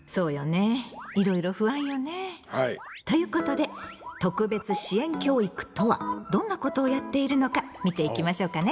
ということで特別支援教育とはどんなことをやっているのか見ていきましょうかね。